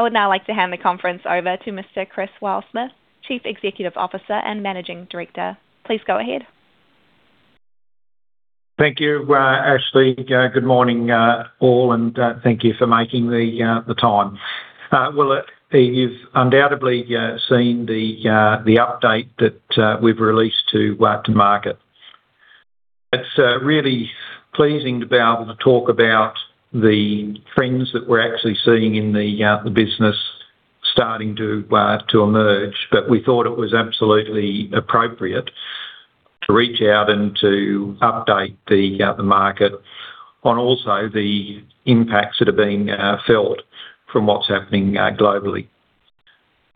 I would now like to hand the conference over to Mr. Chris Wilesmith, Chief Executive Officer and Managing Director. Please go ahead. Thank you, Ashley. Good morning, all, and thank you for making the time. Well, you've undoubtedly seen the update that we've released to market. It's really pleasing to be able to talk about the trends that we're actually seeing in the business starting to emerge. We thought it was absolutely appropriate to reach out and to update the market on also the impacts that are being felt from what's happening globally.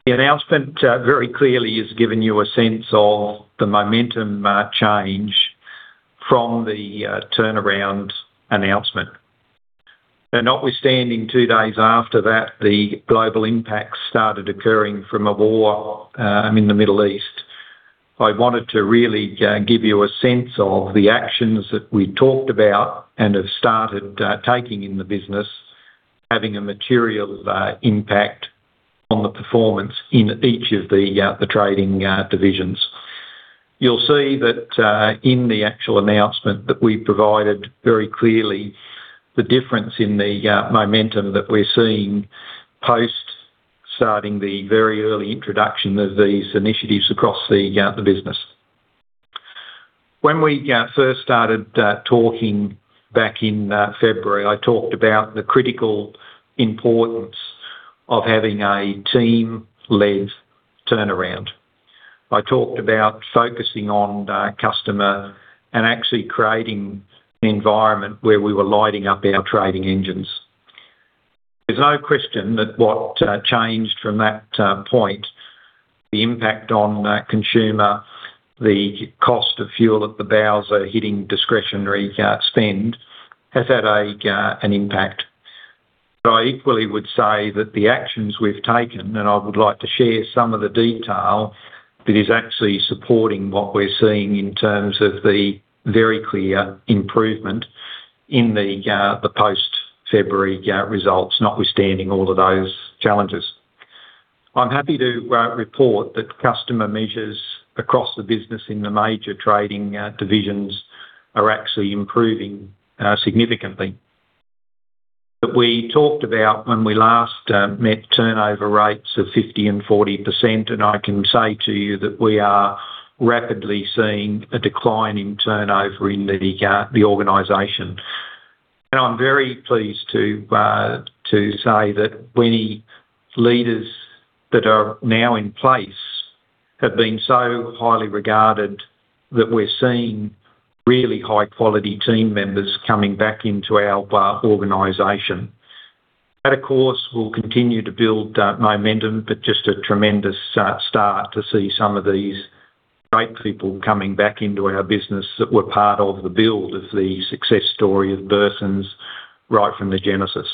The announcement very clearly has given you a sense of the momentum change from the turnaround announcement. Notwithstanding, two days after that, the global impact started occurring from a war in the Middle East. I wanted to really give you a sense of the actions that we talked about and have started taking in the business, having a material impact on the performance in each of the the trading divisions. You'll see that in the actual announcement that we provided very clearly the difference in the momentum that we're seeing post starting the very early introduction of these initiatives across the business. When we first started talking back in February, I talked about the critical importance of having a team-led turnaround. I talked about focusing on the customer and actually creating environment where we were lighting up our trading engines. There's no question that what changed from that point, the impact on the consumer, the cost of fuel at the bowsers hitting discretionary spend has had an impact. I equally would say that the actions we've taken, and I would like to share some of the detail that is actually supporting what we're seeing in terms of the very clear improvement in the post-February results, notwithstanding all of those challenges. I'm happy to report that customer measures across the business in the major trading divisions are actually improving significantly. We talked about when we last met turnover rates of 50% and 40%, and I can say to you that we are rapidly seeing a decline in turnover in the organization. I'm very pleased to say that many leaders that are now in place have been so highly regarded that we're seeing really high-quality team members coming back into our organization. That, of course, will continue to build that momentum, but just a tremendous start to see some of these great people coming back into our business that were part of the build of the success story of Burson's right from the genesis.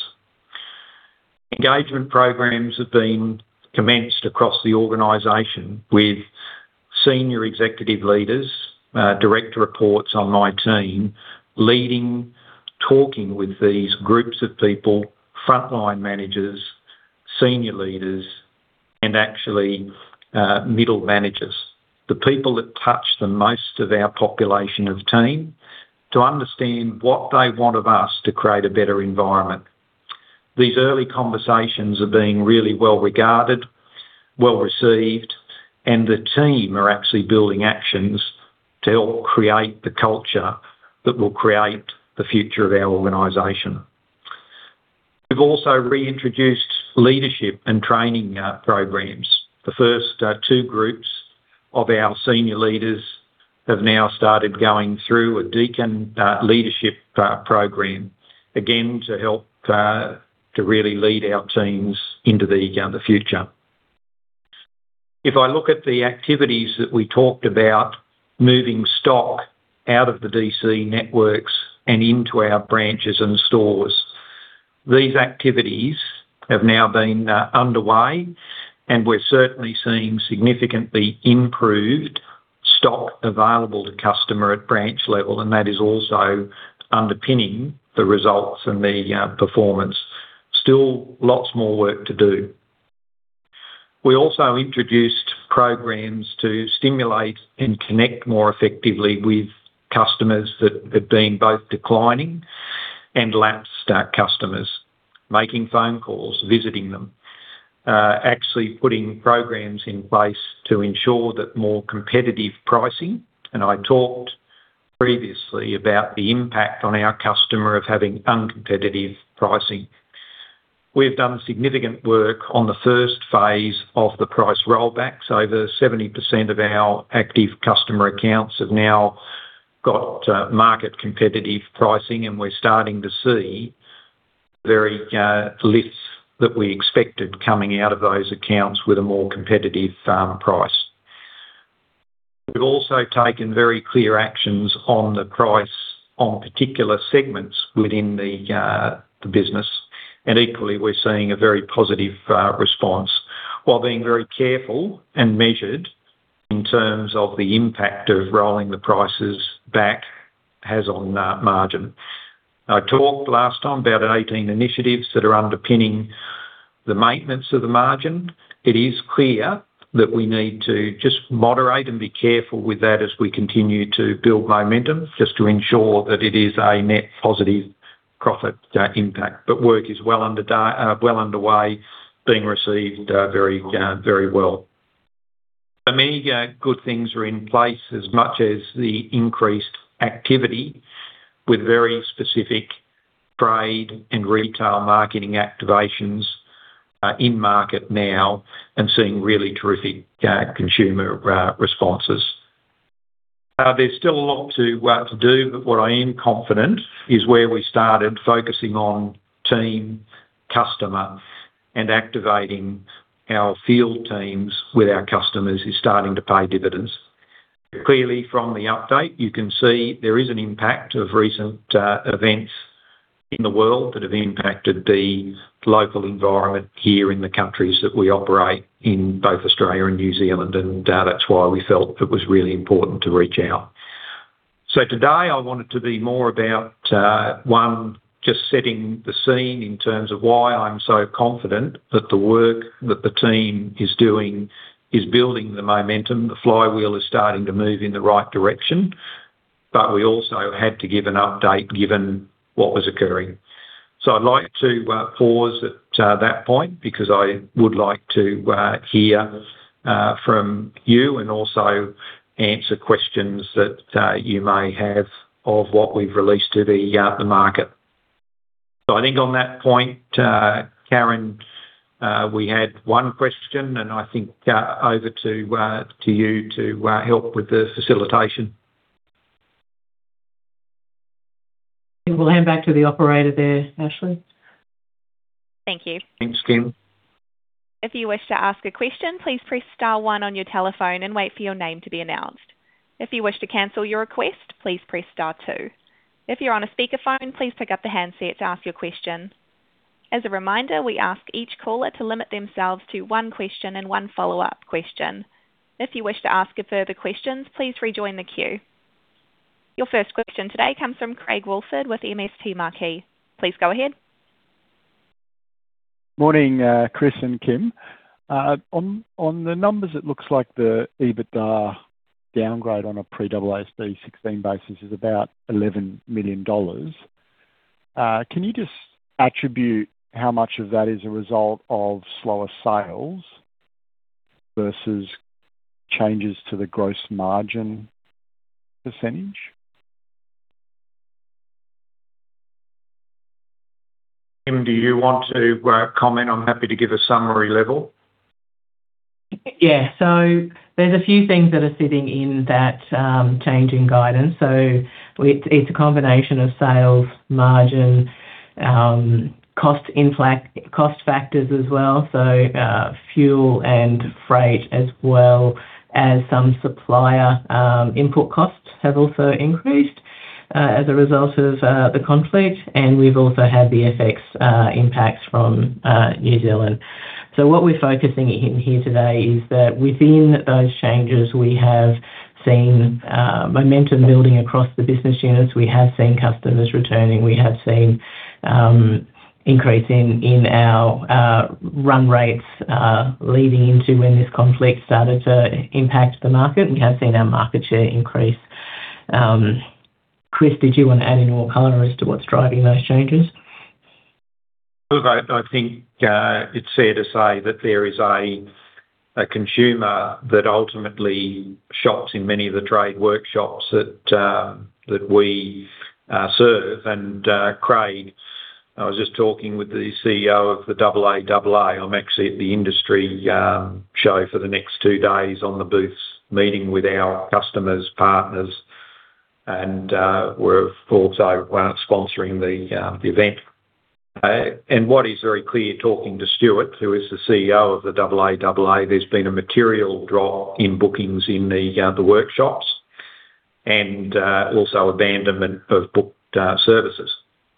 Engagement programs have been commenced across the organization with senior executive leaders, direct reports on my team, leading, talking with these groups of people, frontline managers, senior leaders, and actually, middle managers, the people that touch the most of our population of team to understand what they want of us to create a better environment. These early conversations are being really well regarded, well received, and the team are actually building actions to help create the culture that will create the future of our organization. We've also reintroduced leadership and training programs. The first two groups of our senior leaders have now started going through a Deakin Leadership program, again, to help to really lead our teams into the future. If I look at the activities that we talked about, moving stock out of the DC networks and into our branches and stores. These activities have now been underway, and we're certainly seeing significantly improved stock available to customer at branch level, and that is also underpinning the results and the performance. Still lots more work to do. We also introduced programs to stimulate and connect more effectively with customers that have been both declining and lapsed customers, making phone calls, visiting them, actually putting programs in place to ensure that more competitive pricing. I talked previously about the impact on our customer of having uncompetitive pricing. We have done significant work on the first phase of the price rollbacks. Over 70% of our active customer accounts have now got market competitive pricing, and we're starting to see very lifts that we expected coming out of those accounts with a more competitive price. We've also taken very clear actions on the price on particular segments within the business, and equally, we're seeing a very positive response, while being very careful and measured in terms of the impact of rolling the prices back has on that margin. I talked last time about 18 initiatives that are underpinning the maintenance of the margin. It is clear that we need to just moderate and be careful with that as we continue to build momentum, just to ensure that it is a net positive profit impact. Work is well underway, being received very well. Many good things are in place as much as the increased activity with very specific trade and retail marketing activations in market now and seeing really terrific consumer responses. There's still a lot to do, but what I am confident is where we started focusing on team customer and activating our field teams with our customers is starting to pay dividends. Clearly, from the update, you can see there is an impact of recent events in the world that have impacted the local environment here in the countries that we operate in both Australia and New Zealand. That's why we felt it was really important to reach out. Today, I want it to be more about one, just setting the scene in terms of why I'm so confident that the work that the team is doing is building the momentum. The flywheel is starting to move in the right direction, but we also had to give an update given what was occurring. I'd like to pause at that point because I would like to hear from you and also answer questions that you may have of what we've released to the market. I think on that point, Kerr, we had one question, and I think, over to you to, help with the facilitation. We'll hand back to the operator there, Ashley. Thank you. Thanks, Kim. If you wish to ask a question, please press star one on your telephone and wait for your name to be announced. If you wish to cancel your request please press star two. If you are on a speakerphone please pick up the handset to ask a question. As a reminder we ask each call to limit themselves to one question and one follow up question. If you wish to ask a further question please rejoin the queue. First question today comes from Craig Woolford with MST Marquee. Please go ahead. Morning, Chris and Kim. On the numbers, it looks like the EBITDA downgrade on a pre-AASB 16 basis is about 11 million dollars. Can you just attribute how much of that is a result of slower sales versus changes to the gross margin percentage? Kim, do you want to comment? I'm happy to give a summary level. There's a few things that are sitting in that changing guidance. It's a combination of sales, margin, cost factors as well. Fuel and freight, as well as some supplier input costs have also increased as a result of the conflict. We've also had the FX impacts from New Zealand. What we're focusing in here today is that within those changes, we have seen momentum building across the business units. We have seen customers returning. We have seen increase in our run rates leading into when this conflict started to impact the market. We have seen our market share increase. Chris, did you want to add any more color as to what's driving those changes? Look, I think it's fair to say that there is a consumer that ultimately shops in many of the trade workshops that we serve. Craig, I was just talking with the CEO of the AAAA. I'm actually at the industry show for the next two days on the booths, meeting with our customers, partners, and we're also sponsoring the event. What is very clear, talking to Stuart Charity, who is the CEO of the AAAA, there's been a material drop in bookings in the workshops and also abandonment of booked services.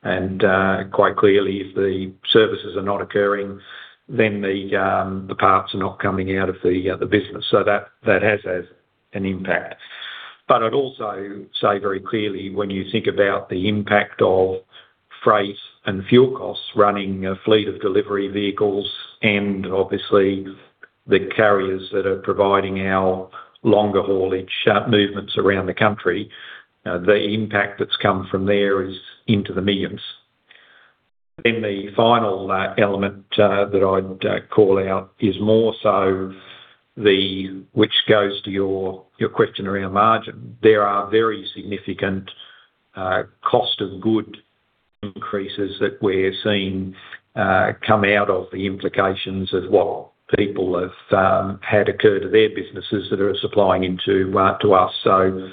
Quite clearly, if the services are not occurring, then the parts are not coming out of the business. That has an impact. I'd also say very clearly, when you think about the impact of freight and fuel costs, running a fleet of delivery vehicles and obviously the carriers that are providing our longer-haulage movements around the country, the impact that's come from there is into the millions. The final element that I'd call out is more so which goes to your question around margin. There are very significant cost of goods increases that we're seeing come out of the implications of what people have had occur to their businesses that are supplying into to us. You know,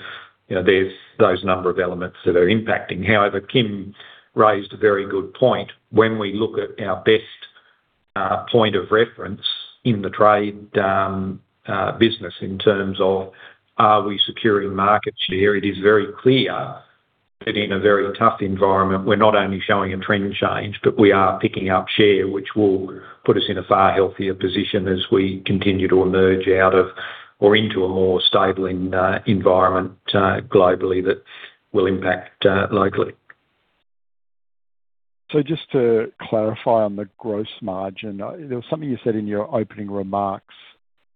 there's those number of elements that are impacting. However, Kim raised a very good point. When we look at our best point of reference in the trade business in terms of are we securing market share, it is very clear that in a very tough environment, we're not only showing a trend change, but we are picking up share, which will put us in a far healthier position as we continue to emerge into a more stabling environment globally that will impact locally. Just to clarify on the gross margin, there was something you said in your opening remarks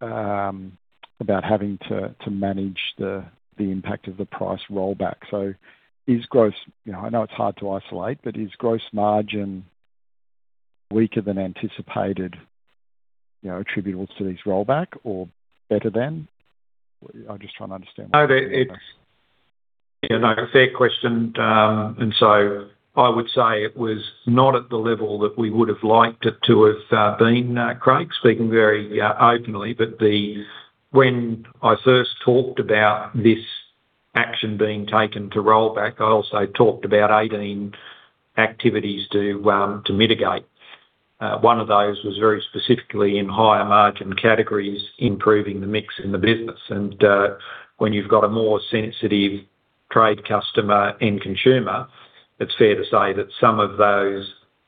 about having to manage the impact of the price rollback. Is gross, you know, I know it's hard to isolate, but is gross margin weaker than anticipated, you know, attributable to these rollback or better than? I'm just trying to understand. No, they. Yeah, no, fair question. I would say it was not at the level that we would have liked it to have been, Craig, speaking very openly. When I first talked about this action being taken to roll back, I also talked about 18 activities to mitigate. One of those was very specifically in higher margin categories, improving the mix in the business. When you've got a more sensitive trade customer and consumer, it's fair to say that some of those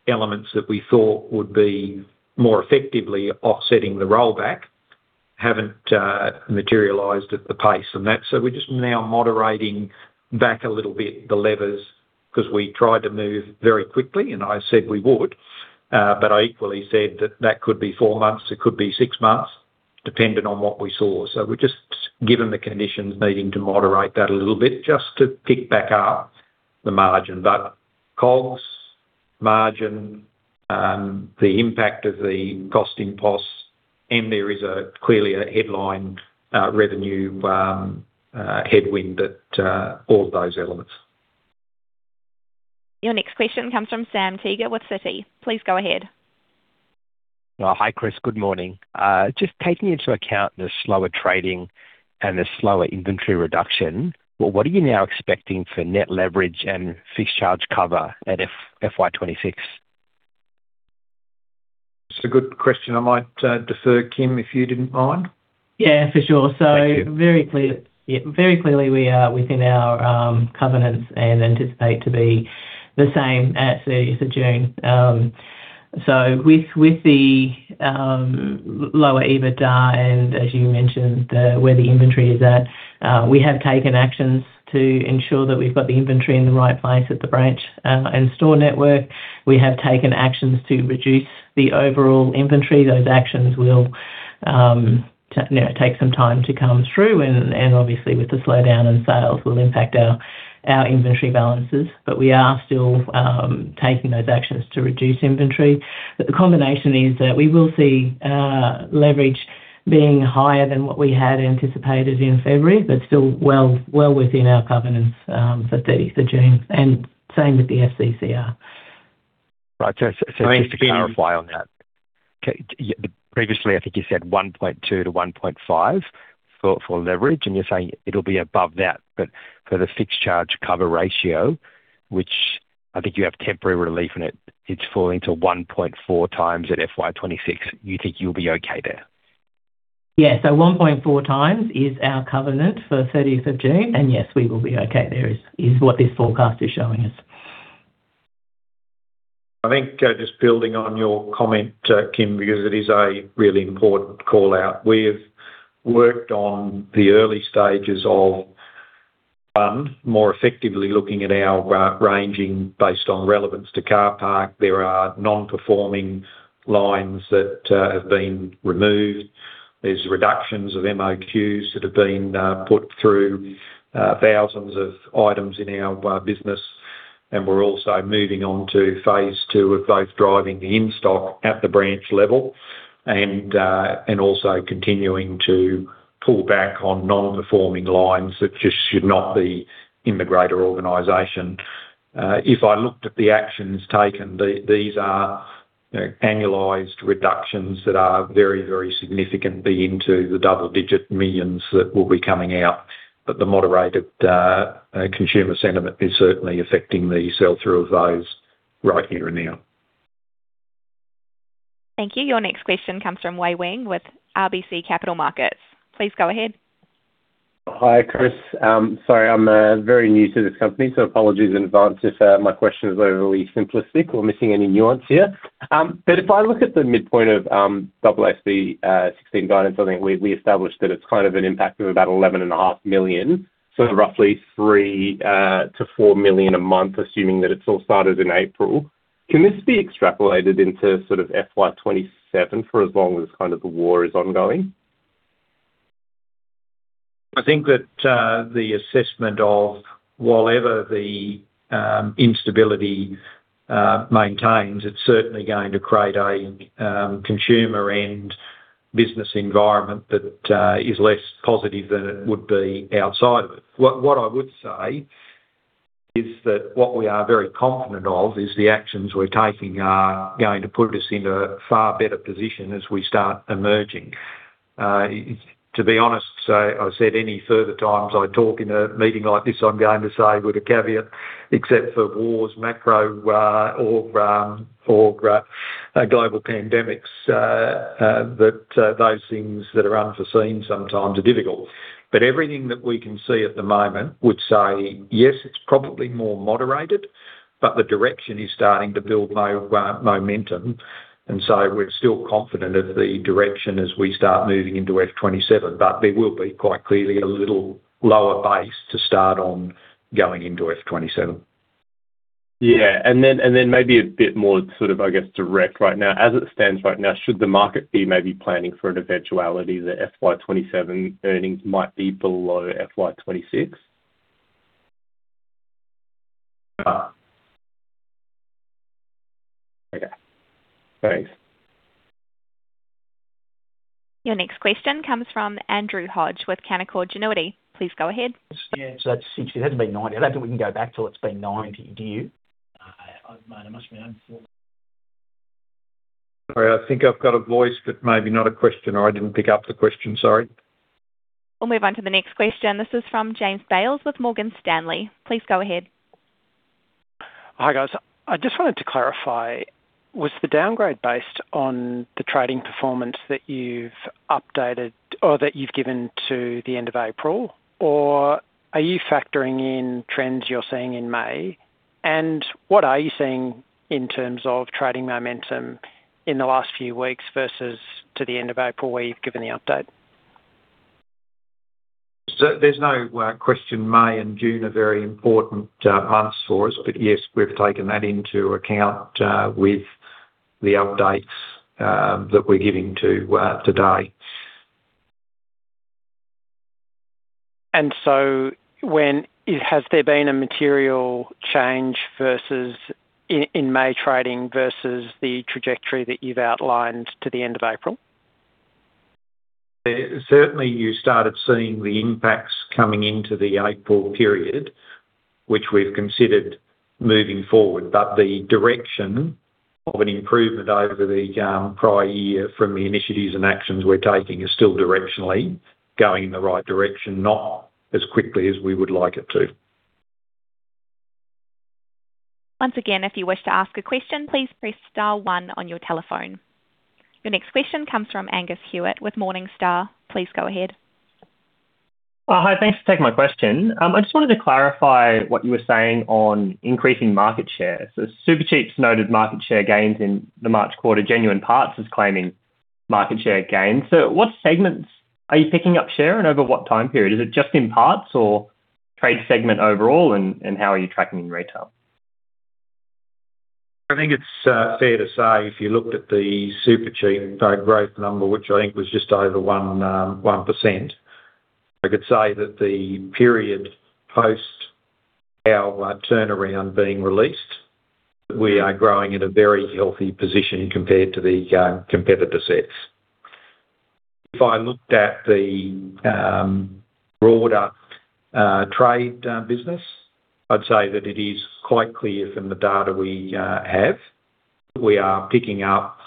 elements that we thought would be more effectively offsetting the rollback haven't materialized at the pace and that. We're just now moderating back a little bit the levers, because we tried to move very quickly, and I said we would, but I equally said that that could be four months, it could be six months, depending on what we saw. We're just, given the conditions, needing to moderate that a little bit just to pick back up the margin. COGS, margin, the impact of the cost inputs, and there is a clearly a headline, revenue, headwind at all of those elements. Your next question comes from Sam Teeger with Citi. Please go ahead. Hi, Chris. Good morning. Just taking into account the slower trading and the slower inventory reduction, well, what are you now expecting for Net Leverage and Fixed-Charge Coverage Ratio at FY 2026? It's a good question. I might defer, Kim, if you didn't mind. Yeah, for sure. Very clearly we are within our covenants and anticipate to be the same at 30th June. With the lower EBITDA and as you mentioned, the, where the inventory is at, we have taken actions to ensure that we've got the inventory in the right place at the branch and store network. We have taken actions to reduce the overall inventory. Those actions will, you know, take some time to come through and obviously with the slowdown in sales will impact our inventory balances. We are still taking those actions to reduce inventory. The combination is that we will see leverage being higher than what we had anticipated in February, but still well within our covenants for 30th June and same with the FCCR. Right. I mean, it's been- Just to clarify on that. Okay, yeah. Previously, I think you said 1.2x-1.5x for leverage, you're saying it'll be above that. For the Fixed-Charge Coverage Ratio, which I think you have temporary relief in it's falling to 1.4x at FY 2026, you think you'll be okay there? Yeah. 1.4x is our covenant for 30th of June, and yes, we will be okay there, is what this forecast is showing us. I think, just building on your comment, Kim, because it is a really important call-out. We have worked on the early stages of more effectively looking at our ranging based on relevance to car park. There are non-performing lines that have been removed. There's reductions of MOQs that have been put through thousands of items in our business. We're also moving on to Phase 2 of both driving the in-stock at the branch level and also continuing to pull back on non-performing lines that just should not be in the greater organization. If I looked at the actions taken, these are, you know, annualized reductions that are very, very significant, be into the double digit millions that will be coming out. The moderated consumer sentiment is certainly affecting the sell-through of those right here and now. Thank you. Your next question comes from Wei-Weng Chen with RBC Capital Markets. Please go ahead. Hi, Chris. Sorry, I'm very new to this company, so apologies in advance if my question is overly simplistic or missing any nuance here. If I look at the midpoint of AASB 16 guidance, I think we established that it's kind of an impact of about 11.5 million. So roughly 3 million-AUD4 million a month, assuming that it's all started in April. Can this be extrapolated into sort of FY 2027 for as long as kind of the war is ongoing? I think that the assessment of whatever the instability maintains, it's certainly going to create a consumer and business environment that is less positive than it would be outside of it. What I would say is that what we are very confident of is the actions we're taking are going to put us in a far better position as we start emerging. To be honest, I said any further times I talk in a meeting like this, I'm going to say with a caveat, except for wars, macro, or global pandemics, that those things that are unforeseen sometimes are difficult. Everything that we can see at the moment would say, yes, it's probably more moderated, but the direction is starting to build momentum. We're still confident of the direction as we start moving into FY 2027. There will be quite clearly a little lower base to start on going into FY 2027. Yeah. Maybe a bit more sort of, I guess, direct right now. As it stands right now, should the market be maybe planning for an eventuality that FY 2027 earnings might be below FY 2026? Okay. Thanks. Your next question comes from Andrew Hodge with Canaccord Genuity. Please go ahead. Yeah, that's since it hasn't been 90. I don't think we can go back till it's been 90. Do you? [No. Mate, it must have been before.] Sorry, I think I've got a voice, but maybe not a question, or I didn't pick up the question. Sorry. We'll move on to the next question. This is from James Bales with Morgan Stanley. Please go ahead. Hi, guys. I just wanted to clarify, was the downgrade based on the trading performance that you've updated or that you've given to the end of April? Or are you factoring in trends you're seeing in May? What are you seeing in terms of trading momentum in the last few weeks versus to the end of April, where you've given the update? There's no question May and June are very important months for us. Yes, we've taken that into account with the updates that we're giving to today. Has there been a material change versus in May trading versus the trajectory that you've outlined to the end of April? Certainly, you started seeing the impacts coming into the April period, which we've considered moving forward. The direction of an improvement over the prior year from the initiatives and actions we're taking is still directionally going in the right direction, not as quickly as we would like it to. Once again, if you wish to ask a question, please press star one on your telephone. Your next question comes from Angus Hewitt with Morningstar. Please go ahead. Hi. Thanks for taking my question. I just wanted to clarify what you were saying on increasing market share. Supercheap noted market share gains in the March quarter. Genuine Parts is claiming market share gains. What segments are you picking up share and over what time period? Is it just in parts or trade segment overall? How are you tracking in retail? I think it's fair to say if you looked at the Supercheap growth number, which I think was just over 1%, I could say that the period post our turnaround being released, we are growing at a very healthy position compared to the competitor sets. If I looked at the broader trade business, I'd say that it is quite clear from the data we have, we are picking up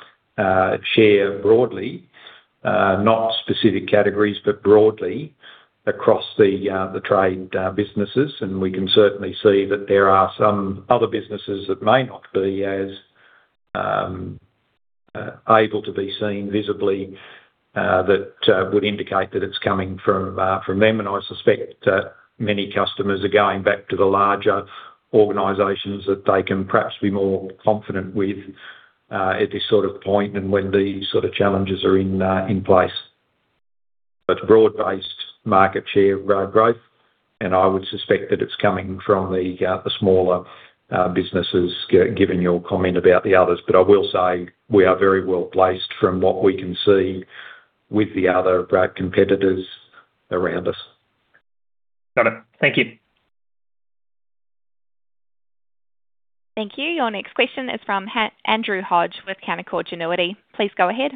share broadly, not specific categories, but broadly across the trade businesses. We can certainly see that there are some other businesses that may not be as able to be seen visibly, that would indicate that it's coming from from them. I suspect many customers are going back to the larger organizations that they can perhaps be more confident with at this sort of point and when these sort of challenges are in place. Broad-based market share growth, and I would suspect that it's coming from the smaller businesses given your comment about the others. I will say we are very well-placed from what we can see with the other growth competitors around us. Got it. Thank you. Thank you. Your next question is from Andrew Hodge with Canaccord Genuity. Please go ahead.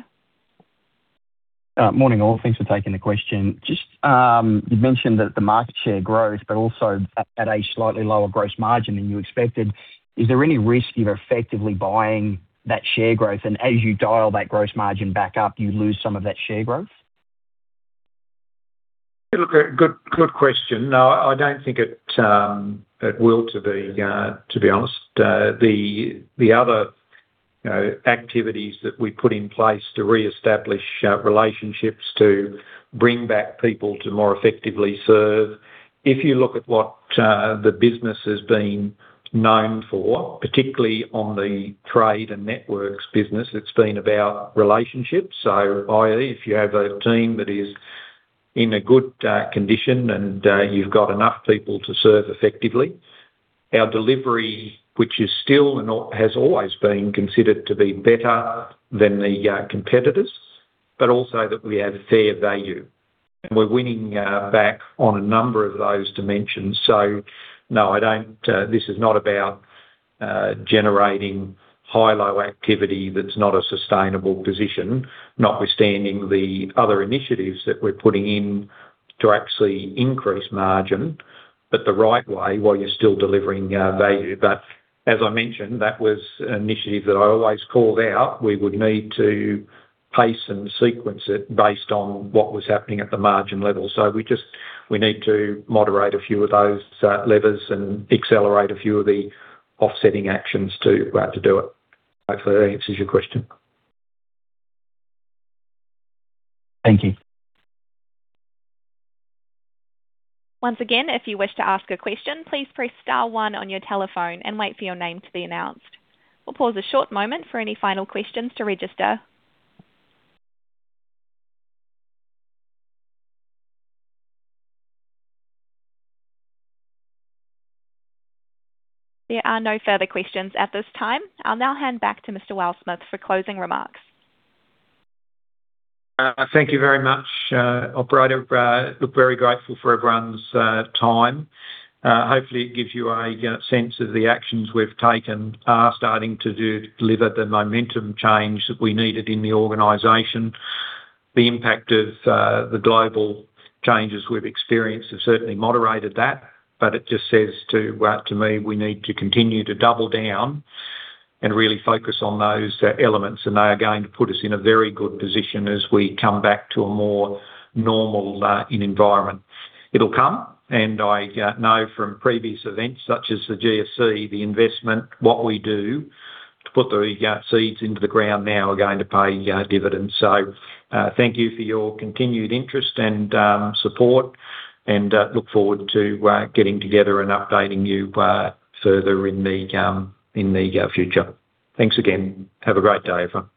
Morning, all. Thanks for taking the question. Just, you mentioned that the market share growth, but also at a slightly lower gross margin than you expected. Is there any risk you're effectively buying that share growth and as you dial that gross margin back up, you lose some of that share growth? Look, a good question. No, I don't think it will to be honest. The other, you know, activities that we put in place to reestablish relationships to bring back people to more effectively serve. If you look at what the business has been known for, particularly on the trade and networks business, it's been about relationships. If you have a team that is in a good condition and you've got enough people to serve effectively, our delivery, which is still and has always been considered to be better than the competitors, but also that we have fair value. We're winning back on a number of those dimensions. No, this is not about generating high-low activity that's not a sustainable position, notwithstanding the other initiatives that we're putting in to actually increase margin, but the right way while you're still delivering value. As I mentioned, that was an initiative that I always called out. We would need to pace and sequence it based on what was happening at the margin level. We need to moderate a few of those levers and accelerate a few of the offsetting actions to do it. Hopefully, that answers your question. Thank you. Once again, if you wish to ask a question, please press star one on your telephone and wait for your name to be announced. We will pause a short moment for any final questions to register. There are no further questions at this time. I will now hand back to Mr. Wilesmith for closing remarks. Thank you very much, operator. Very grateful for everyone's time. Hopefully, it gives you a sense of the actions we've taken are starting to deliver the momentum change that we needed in the organization. The impact of the global changes we've experienced have certainly moderated that. It just says to me, we need to continue to double down and really focus on those elements, and they are going to put us in a very good position as we come back to a more normal environment. It'll come, and I know from previous events such as the GFC, the investment, what we do to put the seeds into the ground now are going to pay dividends. Thank you for your continued interest and support, and look forward to getting together and updating you further in the future. Thanks again. Have a great day, everyone.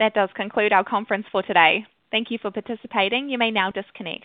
That does conclude our conference for today. Thank you for participating. You may now disconnect.